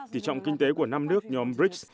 thị trọng kinh tế của năm nước nhóm brics